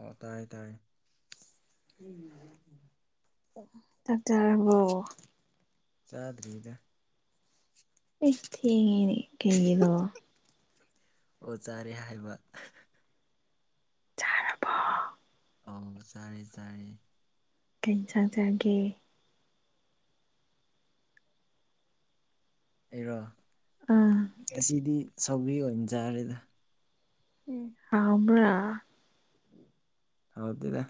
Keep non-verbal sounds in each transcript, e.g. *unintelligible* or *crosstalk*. ꯑꯣ ꯇꯥꯏꯌꯦ ꯇꯥꯔꯦ ꯆꯥꯛ ꯆꯥꯔꯕꯣ ꯆꯥꯗ꯭ꯔꯤꯗ ꯑꯩꯁ ꯊꯦꯡꯉꯤꯅꯦ ꯀꯩꯒꯤꯂꯣ ꯑꯣ ꯆꯥꯔꯦ ꯍꯥꯏꯕ ꯆꯥꯔꯕꯣ ꯑꯧ ꯆꯥꯔꯦ ꯆꯥꯔꯦ ꯀꯩꯟꯁꯥꯡ ꯆꯥꯒꯦ ꯑꯩꯔꯣ ꯑꯥ ꯉꯁꯤꯗꯤ ꯁꯧꯒ꯭ꯔꯤ ꯑꯣꯏꯅ ꯆꯥꯔꯦꯗ ꯎꯝ ꯍꯥꯎꯕ꯭ꯔꯥ ꯍꯥꯎꯇꯦꯗ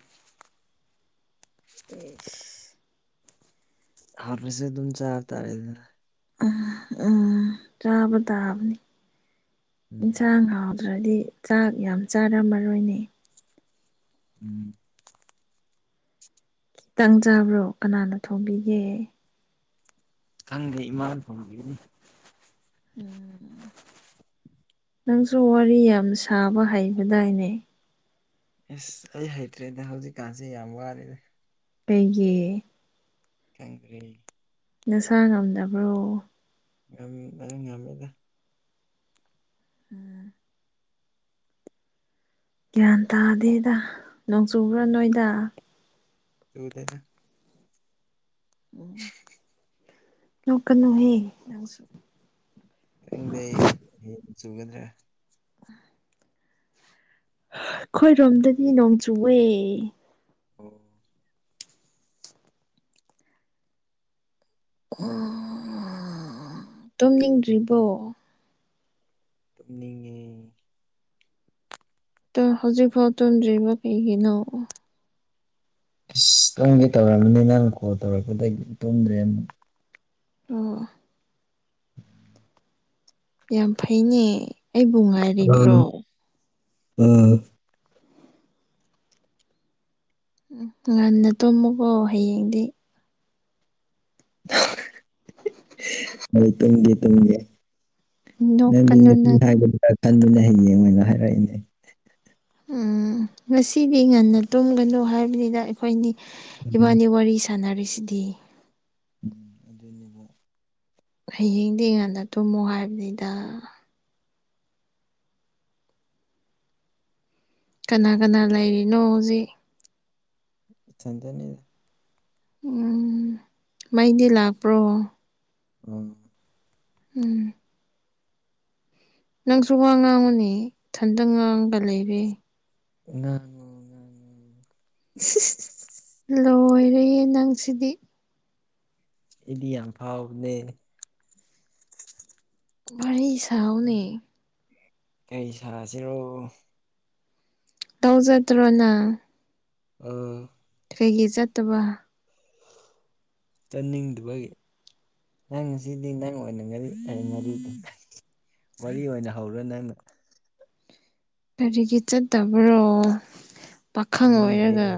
ꯏꯁ ꯍꯥꯎꯇ꯭ꯔꯁꯨ ꯑꯗꯨꯝ ꯆꯥꯕ ꯇꯥꯔꯦꯗꯅ ꯎꯝ ꯎꯝ ꯆꯥꯕ ꯇꯥꯕꯅꯤ ꯎꯝ ꯏꯟꯁꯥꯡ ꯍꯥꯎ ꯇ꯭ꯔꯗꯤ ꯆꯥꯛ ꯌꯥꯝ ꯆꯥꯔꯝꯃꯔꯣꯏꯅꯦ ꯎꯝ ꯈꯤꯇꯪ ꯆꯥꯕ꯭ꯔꯣ ꯀꯅꯥꯅ ꯊꯣꯡꯕꯤꯒꯦ ꯈꯪꯗꯦ ꯏꯃꯥꯅ ꯊꯣꯡꯕꯤꯕꯅꯤ ꯎꯝ ꯅꯪꯁꯨ ꯋꯥꯔꯤ ꯌꯥꯝ ꯁꯥꯕ ꯍꯩꯕꯗꯥꯏꯅꯦ ꯏꯁ ꯑꯩ ꯍꯩꯇ꯭ꯔꯦꯗ ꯍꯧꯖꯤꯛꯀꯥꯟꯁꯦ ꯌꯥꯝ ꯋꯥꯔꯦꯗ ꯀꯩꯒꯤ ꯈꯪꯗ꯭ꯔꯦ ꯅꯁꯥ ꯉꯝꯗꯕ꯭ꯔꯣ ꯉꯝ ꯑꯗꯨꯝ ꯉꯝꯃꯦꯗ ꯎꯝ ꯒ꯭ꯌꯥꯟ ꯇꯥꯗꯦꯗ ꯅꯣꯡ ꯆꯨꯕ꯭ꯔꯥ ꯅꯣꯏꯗ ꯆꯨꯗꯦꯗ ꯎꯝ ꯅꯣꯛꯀꯅꯨꯍꯦ ꯅꯪꯁꯨ ꯈꯪꯗꯦ ꯍꯌꯦꯡ ꯆꯨꯒꯗ꯭ꯔꯥ ꯑꯩꯈꯣꯏꯔꯣꯝꯗꯗꯤ ꯅꯣꯡꯆꯨꯑꯦ ꯑꯣ ꯑꯣ ꯇꯨꯝꯅꯤꯡꯗ꯭ꯔꯤꯕꯣ ꯇꯨꯝꯅꯤꯡꯉꯦ ꯗꯣ ꯍꯧꯖꯤꯛ ꯐꯥꯎ ꯇꯨꯖꯔꯤꯕ ꯀꯩꯒꯤꯅ ꯏꯁ ꯇꯨꯝꯒꯦ ꯇꯧꯔꯕꯅꯤ ꯅꯪ ꯀꯣꯜ ꯇꯧꯔꯛꯄꯗꯒꯤ ꯇꯨꯝꯗ꯭ꯔꯦ ꯑꯣ *inaudible* ꯌꯥꯝ ꯐꯩꯅꯦ ꯑꯩꯕꯨ ꯉꯥꯏꯔꯤꯕ꯭ꯔꯣ ꯑꯥ ꯎꯝ ꯉꯟꯅ ꯇꯨꯝꯝꯃꯨꯀꯣ ꯍꯌꯦꯡꯗꯤ ꯍꯣꯏ *unintelligible* ꯇꯨꯡꯗꯦ ꯇꯨꯡꯒꯦ ꯅꯣꯛꯀꯅꯨ ꯅꯪ *unintelligible* ꯎꯝ ꯉꯁꯤꯗꯤ ꯉꯟꯅ ꯇꯨꯝꯒꯅꯨ ꯍꯥꯏꯕꯅꯤꯗ ꯑꯩꯈꯣꯏꯅꯤ ꯎꯝ ꯏꯕꯥꯅꯤ ꯋꯥꯔꯤ ꯁꯥꯟꯅꯔꯤꯁꯤꯗꯤ ꯎꯝ ꯑꯗꯨꯏꯅꯦꯕ ꯍꯌꯦꯡꯗꯤ ꯉꯥꯟꯗ ꯇꯨꯝꯃꯣ ꯍꯥꯏꯕꯅꯤꯗ ꯀꯅꯥ ꯀꯅꯥ ꯂꯩꯔꯤꯅꯣ ꯍꯧꯖꯤꯛ ꯏꯊꯟꯗ ꯂꯩ ꯎꯝ ꯃꯩꯗꯤ ꯂꯥꯛꯄ꯭ꯔꯣ ꯎꯝ ꯎꯝ ꯅꯪꯁꯨ ꯋꯥ ꯉꯥꯡꯉꯨꯅꯦ ꯏꯊꯟꯇ ꯉꯥꯡꯉꯒ ꯂꯩꯔ ꯉꯡꯉꯣ ꯉꯡꯉꯣ ꯂꯣꯏꯔꯦꯍꯦ ꯅꯪ ꯁꯤꯗꯤ ꯑꯩꯗꯤ ꯌꯥꯝ ꯐꯥꯎꯕꯅꯦ ꯋꯥꯔꯤ ꯁꯥꯎꯅꯦ ꯀꯩ ꯁꯥꯁꯤꯔꯣ ꯇꯧꯖꯗ꯭ꯔꯣꯅ ꯎꯝ ꯀꯩꯒꯤ ꯆꯠꯇꯕ ꯆꯠꯅꯤꯡꯗꯕꯒꯤ ꯅꯪꯁꯤ ꯅꯪ ꯑꯣꯏꯅ ꯉꯔꯤ ꯑꯩ ꯉꯥꯔꯤ ꯋꯥꯔꯤ ꯑꯣꯏꯅ ꯍꯧꯔꯣ ꯅꯪꯅ ꯀꯔꯤꯒꯤ ꯆꯠꯇꯕ꯭ꯔꯣ ꯄꯥꯈꯪ ꯆꯠꯅꯤꯡꯗ꯭ꯔꯦ ꯑꯣꯏꯔꯒ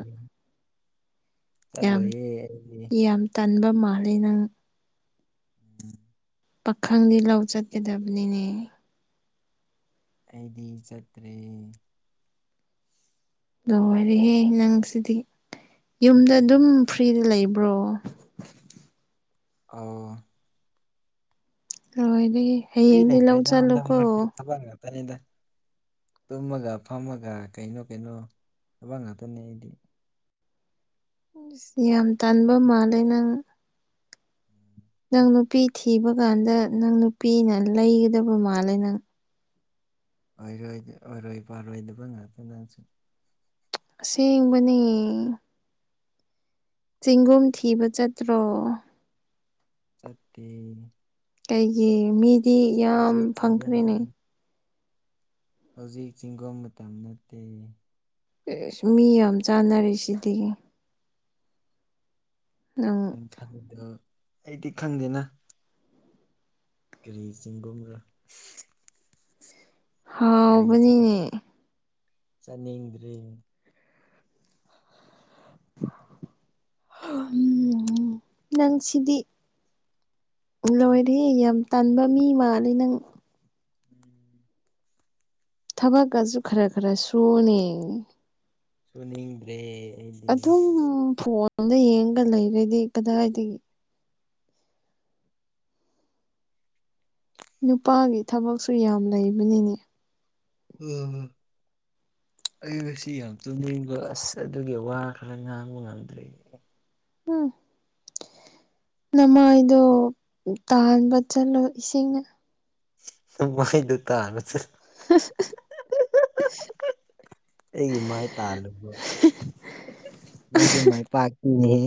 ꯌꯥꯝ ꯆꯜꯂꯣꯏꯌꯦ ꯌꯥꯝ ꯇꯟꯕ ꯃꯥꯜꯂꯤ ꯅꯪ *unintelligible* ꯄꯥꯈꯪꯗꯤ ꯂꯧ ꯆꯠꯀꯗꯕꯅꯤꯅꯦ ꯑꯩꯗꯤ ꯆꯠꯇ꯭ꯔꯦ ꯂꯣꯏꯔꯦꯍꯦ ꯅꯪꯁꯤꯗꯤ ꯌꯨꯝꯗ ꯑꯗꯨꯝ ꯐ꯭ꯔꯤꯗ ꯂꯩꯕ꯭ꯔꯣ ꯑꯥ ꯂꯣꯏꯔꯦꯍꯦ ꯐ꯭ꯔꯤ ꯂꯩꯇ꯭ꯔꯦꯗ ꯍꯟꯗꯛ ꯃꯔꯛꯇꯤ ꯊꯕꯛ ꯉꯥꯛꯇꯅꯤꯗ ꯇꯨꯝꯃꯒ ꯐꯝꯃꯒ ꯀꯩꯅꯣ ꯀꯩꯅꯣ ꯊꯕꯛ ꯉꯥꯛꯇꯅꯦ ꯑꯩꯗꯤ ꯏꯁ ꯌꯥꯝ ꯇꯟꯕ ꯃꯥꯜꯂꯦ ꯅꯪ ꯅꯪ ꯅꯨꯄꯤ ꯊꯤꯕ ꯀꯥꯟꯗ ꯅꯪ ꯅꯨꯄꯤꯅ ꯂꯩꯒꯗꯕ ꯃꯥꯜꯂꯦ ꯅꯪ ꯑꯣꯏꯔꯣꯏ ꯑꯣꯏꯔꯣꯏ ꯄꯥꯔꯣꯏꯗꯕ ꯉꯥꯛꯇ ꯅꯪꯁꯨ ꯑꯁꯦꯡꯕꯅꯦ ꯆꯤꯡꯒꯨꯝ ꯊꯤꯕ ꯆꯠꯇ꯭ꯔꯣ ꯆꯠꯇꯦ ꯀꯩꯒꯤ ꯃꯤꯗꯤ ꯌꯥꯝ ꯍꯧꯖꯤꯛ ꯆꯤꯡꯒꯣꯡ ꯐꯪꯈ꯭ꯔꯦꯅꯦ ꯍꯧꯖꯤꯛ ꯆꯤꯡꯒꯨꯝ ꯃꯇꯝ ꯅꯠꯇꯦ ꯑꯦꯁ ꯃꯤ ꯌꯥꯝ ꯆꯥꯟꯅꯔꯤꯁꯤꯗꯤ ꯅꯪ ꯃꯊꯪꯗ ꯑꯩꯗꯤ ꯈꯪꯗꯦꯅꯥ ꯀꯔꯤ ꯆꯤꯡꯒꯨꯝꯔꯥ ꯀꯔꯤ ꯍꯥꯎꯕꯅꯤꯅꯦ ꯆꯥꯅꯤꯡꯗ꯭ꯔꯦ ꯅꯪꯁꯤꯗꯤ ꯂꯣꯏꯔꯦꯍꯦ ꯌꯥꯝ ꯇꯟꯕ ꯃꯤ ꯃꯥꯜꯂꯤ ꯅꯪ *inaudible* ꯊꯕꯛꯀꯁꯨ ꯈꯔ ꯈꯔ ꯁꯨꯋꯣꯅꯦ ꯁꯨꯅꯤꯡꯗ꯭ꯔꯦ ꯑꯩꯗꯤ ꯑꯗꯨꯝ ꯐꯣꯟꯗ ꯌꯦꯡꯉꯒ ꯂꯩꯔꯗꯤ ꯀꯗꯥꯏꯗꯒꯤ ꯅꯨꯄꯥꯒꯤ ꯊꯕꯛꯁꯨ ꯌꯥꯝ ꯂꯩꯕꯅꯤꯅꯦ ꯎꯝ ꯑꯩ ꯉꯁꯤ ꯌꯥꯝ ꯇꯨꯝꯅꯤꯡꯕ ꯑꯁ ꯑꯗꯨꯒꯤ ꯋꯥ ꯈꯔ ꯉꯥꯡꯕ ꯉꯝꯗ꯭ꯔꯦ ꯎꯝ ꯅꯃꯥꯏꯗꯣ ꯇꯥꯟꯕ ꯆꯠꯂꯣ ꯏꯁꯤꯡꯅ ꯅꯪ ꯋꯥꯍꯩꯗꯣ ꯇꯥꯕ ꯗ *unintelligible* ꯑꯩꯒꯤ ꯃꯥꯏ ꯇꯥꯜꯂꯨꯕ꯭ꯔꫭ ꯅꯪꯁꯨ ꯃꯥꯏ ꯄꯥꯛꯄꯤꯅꯦꯍꯦ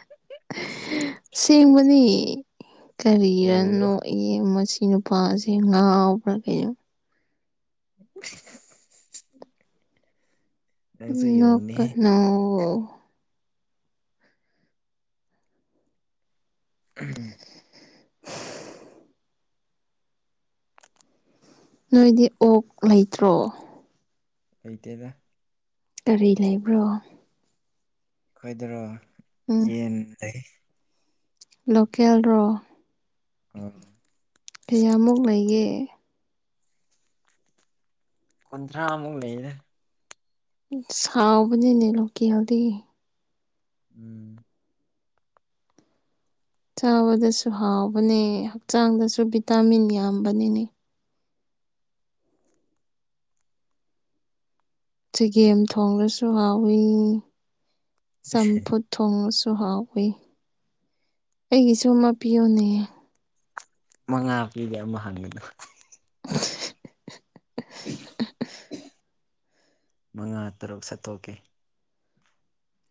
*inaudible* ꯑꯁꯦꯡꯕꯅꯦ ꯀꯔꯤꯔ ꯑꯣ ꯅꯣꯛꯏꯌꯦ ꯃꯁꯤ ꯅꯨꯄꯥꯁꯦ ꯉꯥꯎꯕ꯭ꯔꯥ ꯀꯩꯅꯣ *inaudible* ꯅꯪꯁꯨ ꯌꯣꯡꯅꯦ ꯅꯣꯛꯀꯅꯣ *unintelligible* *inaudible* ꯅꯣꯏꯗꯤ ꯑꯣꯛ ꯂꯩꯇ꯭ꯔꯣ ꯂꯩꯇꯦꯗ ꯀꯔꯤ ꯂꯩꯕ꯭ꯔꯣ ꯑꯩꯈꯣꯏꯗꯔꯣ ꯌꯦꯟ ꯂꯩ ꯂꯣꯀꯦꯜ ꯔꯣ ꯑꯥ ꯀꯌꯥꯃꯨꯛ ꯂꯩꯒꯦ ꯀꯨꯟꯊ꯭ꯔꯥꯃꯨꯛ ꯂꯩꯗ ꯑꯁ ꯍꯥꯎꯕꯅꯦꯅꯦ ꯂꫭꯀꯦꯜꯗꯤ ꯎꯝ ꯆꯥꯕꯗꯁꯨ ꯍꯥꯎꯕꯅꯦ ꯍꯛꯆꯥꯡꯗꯁꯨ ꯚꯤꯇꯥꯃꯤꯟ ꯌꯥꯝꯕꯅꯤꯅꯦ ꯆꯒꯦꯝ ꯊꯣꯡꯂꯁꯨ ꯍꯥꯎꯋꯤ ꯆꯝꯐꯨꯠ ꯊꯣꯡꯉꯁꯨ ꯍꯥꯎꯋꯤ ꯑꯩꯒꯤꯁꯨ ꯑꯃ ꯄꯤꯌꯣꯅꯦ ꯃꯉꯥ ꯄꯤꯒꯦ ꯑꯃ ꯍꯪꯉꯗꯨ *unintelligible* ꯃꯉꯥ ꯇꯔꯨꯛ ꯁꯠꯇꯣꯛꯀꯦ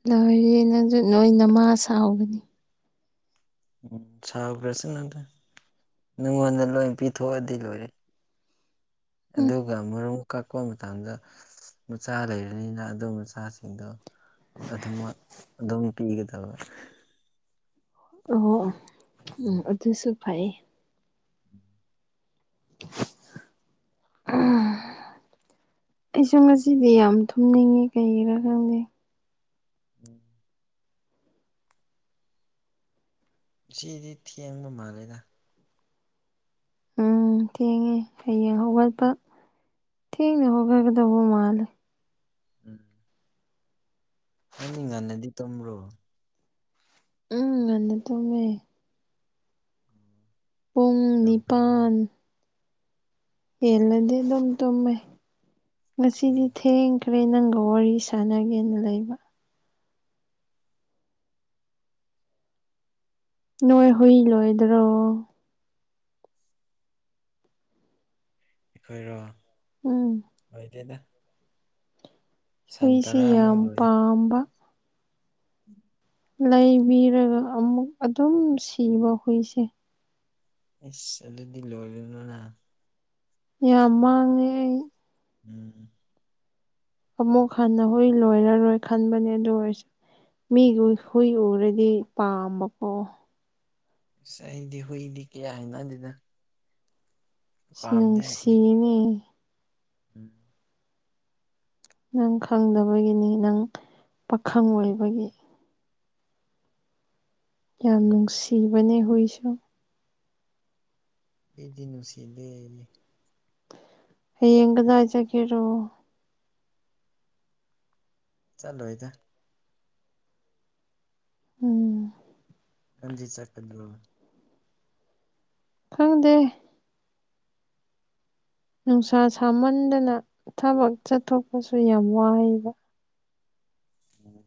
ꯂꯣꯏꯔꯦꯍꯦ ꯅꯪꯖꯨ ꯅꯣꯏ ꯅꯃꯥ ꯁꯥꯎꯒꯅꯤ ꯎꯝ ꯁꯥꯎꯒ꯭ꯔꯁꯨ *unintelligible* ꯅꯪꯉꯣꯟꯗ ꯂꯣꯏ ꯄꯤꯊꯣꯛꯑꯗꯤ ꯂꯣꯏꯔꯦ ꯎꯝ ꯑꯗꯨꯒ ꯃꯔꯨꯝ ꯀꯛꯄ ꯃꯇꯝꯗ ꯃꯆꯥ ꯂꯩꯔꯅꯤꯅ ꯑꯗꯨ ꯃꯆꯥꯁꯤꯡꯗꯣ ꯑꯗꯨꯃꯛ ꯑꯗꯨꯝ ꯄꯤꯒꯗꯕ ꯑꯣ ꯎꯝ ꯑꯗꯨꯁꯨ ꯐꯩ ꯑꯩꯁꯨ ꯉꯁꯤꯗꯤ ꯌꯥꯝ ꯊꯨꯝꯅꯤꯡꯉꯦ ꯀꯩꯒꯤꯔꯥ ꯈꯪꯗꯦ ꯎꯝ ꯉꯁꯤꯗꯤ ꯊꯦꯡꯕ ꯃꯥꯜꯂꯦꯗ ꯎꯝ ꯊꯦꯡꯉꯦ ꯍꯌꯦꯡ ꯍꯧꯒꯠꯄ ꯊꯦꯡꯅ ꯍꯧꯒꯠꯒꯗꯧꯕ ꯃꯥꯜꯂꯦ ꯎꯝ ꯅꯪꯗꯤ ꯉꯟꯅꯗꯤ ꯇꯨꯝꯕ꯭ꯔꯣ ꯎꯝ ꯉꯟꯅ ꯇꯨꯝꯃꯦ ꯄꯨꯡ ꯌꯥꯝ ꯐꯩꯗ ꯅꯤꯄꯥꯟ ꯍꯦꯜꯂꯗꯤ ꯑꯗꯨꯝ ꯇꯨꯝꯃꯦ ꯉꯁꯤꯗꯤ ꯊꯦꯡꯈ꯭ꯔꯦ ꯅꯪꯒꯥ ꯋꯥꯔꯤ ꯁꯥꯟꯅꯒꯦꯅ ꯂꯩꯕ ꯅꯣꯏ ꯍꯨꯏ ꯂꯣꯏꯗ꯭ꯔꯣ ꯑꯩꯈꯣꯏꯔꯣ ꯎꯝ ꯂꯣꯏꯗꯦꯗ ꯁꯟ ꯍꯨꯏꯁꯤ ꯇꯔꯥꯃꯨꯛ ꯌꯥꯝ ꯂꯣꯏ ꯄꯥꯝꯕ ꯂꯩꯕꯤꯔꯒ ꯑꯃꯨꯛ ꯑꯗꯨꯝ ꯁꯤꯕ ꯍꯨꯏꯁꯦ ꯏꯁ ꯑꯗꯨꯗꯤ ꯂꯣꯏꯒꯅꯨꯅꯥ ꯌꯥꯝ ꯃꯥꯡꯉꯦ ꯎꯝ ꯑꯃꯨꯛ ꯍꯟꯅ ꯍꯨꯏ ꯂꯣꯏꯔꯔꯣꯏ ꯈꯟꯕꯅꯦ ꯑꯗꯨ ꯑꯣꯏꯁꯨ ꯃꯤꯒꯤ ꯍꯨꯏ ꯎꯔꯗꯤ ꯄꯥꯝꯕꯀꯣ ꯑꯁ ꯑꯩꯗꯤ ꯍꯨꯏꯗꯤ ꯀꯌꯥ ꯍꯩꯅꯗꯦꯗꯥ *unintelligible* ꯍꯨꯏꯗꯤ ꯅꯨꯡꯁꯤꯅꯦ ꯎꯝ ꯅꯪ ꯈꯪꯗꯕꯒꯤꯅꯤ ꯅꯪ ꯄꯥꯈꯪ ꯑꯣꯏꯕꯒꯤ ꯌꯥꯝ ꯎꯝ ꯅꯨꯡꯁꯤꯕꯅꯦ ꯍꯨꯏꯁꯨ ꯑꯩꯗꯤ ꯅꯨꯡꯁꯤꯗꯦ ꯍꯌꯦꯡ ꯀꯗꯥꯏ ꯆꯠꯀꯦꯔꯣ ꯆꯠꯂꯣꯏꯗ ꯎꯝ ꯅꯪꯗꯤ ꯆꯠꯀꯗꯨ ꯈꯪꯗꯦ ꯅꯨꯡꯁꯥ ꯁꯥꯃꯟꯗꯅꯥ ꯊꯕꯛ ꯆꯠꯊꯣꯛꯄꯁꯨ ꯌꯥꯝ ꯋꯥꯏꯕ ꯎꯝ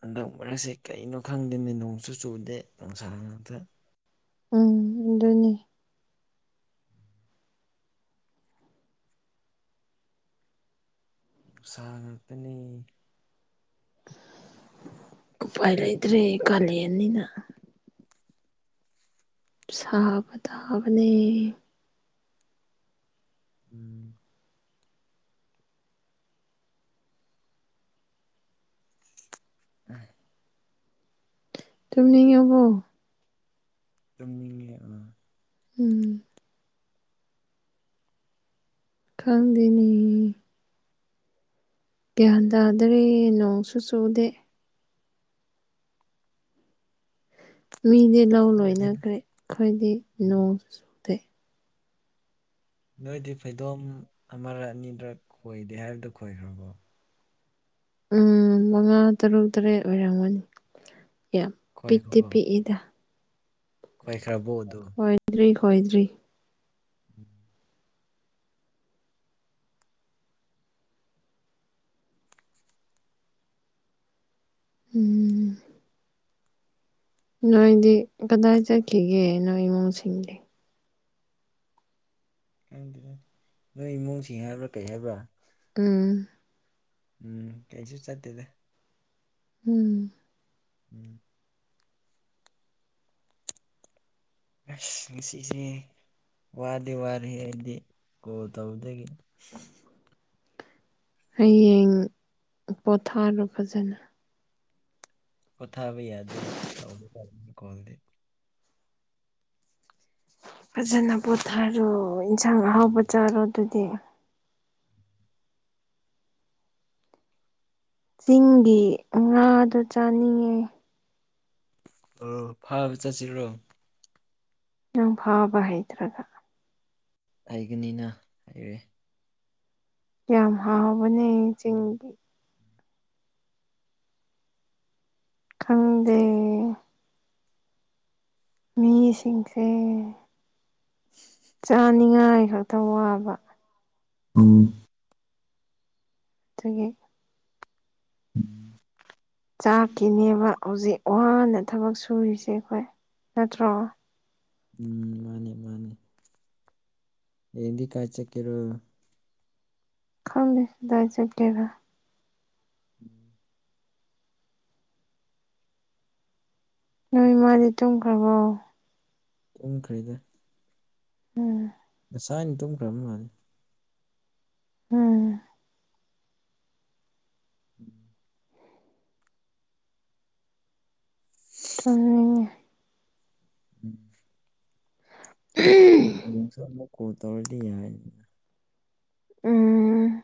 ꯍꯟꯗꯛ ꯃꯔꯛꯁꯦ ꯀꯩꯅꯣ ꯈꯪꯗꯦꯅꯦ ꯅꯣꯡꯁꯨ ꯆꯨꯗꯦ ꯅꯨꯡꯁꯥ ꯉꯥꯛꯇ ꯎꯝ *unintelligible* ꯑꯗꯨꯅꯤ ꯅꯨꯡꯁꯥꯡꯡ ꯉꯥꯛꯇꯅꯦ ꯎꯄꯥꯏ ꯂꯩꯥꯇ꯭ꯔꯦ ꯀꯥꯂꯦꯟꯅꯤꯅ ꯁꯥꯕ ꯇꯥꯕꯅꯦ ꯎꯝ *unintelligible* ꯇꯨꯝꯅꯤꯡꯉꯕꯣ ꯇꯨꯝꯅꯤꯡꯉꯦ ꯑꯥ ꯎꯝ ꯈꯪꯗꯦꯅꯦ ꯒ꯭ꯌꯥꯟ ꯇꯥꯗ꯭ꯔꯦ ꯅꯣꯡꯁꯨ ꯆꯨꯗꯦ ꯃꯤꯗꯤ ꯂꯧ ꯈꯪꯗ꯭ꯔꯦꯗ ꯂꯣꯏꯅꯈ꯭ꯔꯦ ꯑꯩꯈꯣꯏꯗꯤ ꯅꯣꯡꯁꯨ ꯆꯨꯗꯦ ꯅꯣꯏꯗꯤ ꯐꯩꯗꯣꯝ ꯑꯃꯔꯛ ꯑꯅꯤꯔꯛ ꯈꯣꯏꯗꯦ ꯍꯥꯏꯕꯗꯨ ꯈꯣꯏꯈ꯭ꯔꯕꯣ ꯎꯝ ꯃꯉꯥ ꯇꯔꯨꯛ ꯇꯔꯦꯠ ꯑꯣꯏꯔꯝꯒꯅꯤ ꯌꯥꯝ ꯄꯤꯛꯇꯤ ꯈꯣꯏꯈ꯭ꯔꯕꯣ ꯄꯤꯛꯏꯗ ꯈꯣꯏꯈ꯭ꯔꯕꯣ ꯑꯗꯣ ꯈꯣꯏꯗ꯭ꯔꯤ ꯈꯣꯏꯗ꯭ꯔꯤ ꯎꯝ ꯎꯝ ꯅꯣꯏꯗꯤ ꯀꯗꯥꯏ ꯆꯠꯈꯤꯒꯦ ꯅꯣꯏ ꯏꯃꯨꯡꯁꯤꯡꯗꯤ ꯈꯪꯗꯦꯍꯦ ꯅꯣꯏ ꯏꯃꯨꯡꯁꯤꯡ ꯍꯥꯏꯕ꯭ꯔꯥ ꯀꯩ ꯍꯥꯏꯕ꯭ꯔꯥ ꯎꯝ ꯎꯝ ꯀꯩꯁꯨ ꯆꯠꯇꯦꯗ ꯎꯝ ꯎꯝ ꯑꯥꯏꯁ ꯉꯁꯤꯁꯦ ꯋꯥꯗꯤ ꯋꯥꯔꯦꯍꯦ ꯍꯥꯏꯗꯤ ꯀꯣꯜ ꯇꯧꯕꯗꯒꯤꯅꯤ ꯍꯌꯦꯡ ꯄꯣꯊꯥꯔꯣ ꯐꯖꯅ ꯄꯣꯊꯥꯕ ꯌꯥꯗꯦ ꯇꯧꯒꯗꯕꯅꯤ ꯀꯣꯜꯗꯤ ꯐꯖꯅ ꯄꯣꯊꯥꯔꯣ ꯏꯟꯁꯥꯡ ꯑꯍꯥꯎꯕ ꯆꯥꯔꯣ ꯑꯗꯨꯗꯤ ꯆꯤꯡꯒꯤ ꯉꯥꯗꯣ ꯆꯥꯅꯤꯡꯉꯦ ꯑꯣ ꯐꯥꯕ ꯆꯠꯁꯤꯔꯣ ꯅꯪ ꯐꯥꯕ ꯍꯩꯇ꯭ꯔꯒ ꯍꯩꯒꯅꯤꯅ ꯍꯩꯔꯦ ꯌꯥꯝ ꯍꯥꯎꯕꯅꯦ ꯆꯤꯡꯒꯤ ꯈꯪꯗꯦ ꯃꯤꯁꯤꯡꯁꯦ *inaudible* ꯆꯥꯅꯤꯡꯉꯥꯏꯈꯛꯇ ꯋꯥꯕ ꯎꯝ ꯑꯗꯨꯒꯤ ꯎꯝ ꯆꯥꯛꯀꯤꯅꯦꯕ ꯍꯧꯖꯤꯛ ꯋꯥꯅ ꯊꯕꯛ ꯁꯨꯔꯤꯁꯦ ꯑꯩꯈꯣꯏ ꯅꯠꯇ꯭ꯔꯣ ꯎꯝ ꯃꯥꯅꯦ ꯃꯥꯅꯦ ꯍꯌꯦꯡꯗꯤ ꯀꯥꯏ ꯆꯠꯀꯦꯔꯣ ꯈꯪꯗꯦ ꯀꯥꯏꯗ ꯆꯠꯀꯦꯔ ꯎꯝ ꯅꯣꯏ ꯃꯥꯗꯤ ꯇꯨꯝꯈ꯭ꯔꯕꯣ ꯇꯨꯝꯈ꯭ꯔꯦꯗ ꯎꯝ ꯉꯁꯥꯏꯅ ꯇꯨꯝꯈ꯭ꯔꯕ ꯃꯥꯜꯂꯤ ꯎꯝ *unintelligible* ꯇꯨꯝꯅꯤꯡꯉꯦ ꯎꯝ ꯍꯌꯦꯡꯁꯨ ꯑꯃꯨꯛ ꯀꯣꯜ ꯇꯧꯔꯗꯤ ꯌꯥꯏꯗꯅ ꯎꯝ